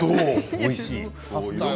おいしい。